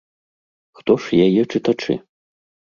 Хто ж яе чытачы?